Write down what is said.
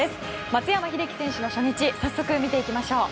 松山英樹選手の初日早速見ていきましょう。